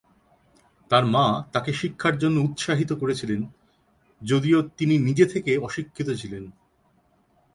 তার মা তাকে শিক্ষার জন্য উৎসাহিত করেছিলেন, যদিও তিনি নিজে থেকে অশিক্ষিত ছিলেন।